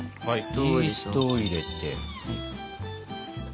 はいイーストを入れて。